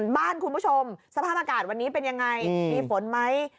บ้านคุณผู้ชมสภาพอากาศวันนี้เป็นยังไงมีฝนไหม